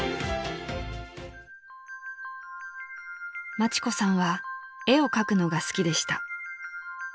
［町子さんは絵を描くのが好きでした］